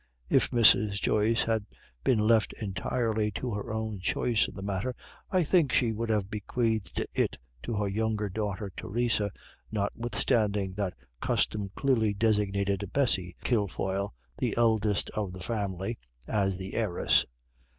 If Mrs. Joyce had been left entirely to her own choice in the matter, I think she would have bequeathed it to her younger daughter Theresa, notwithstanding that custom clearly designated Bessy Kilfoyle, the eldest of the family, as the heiress.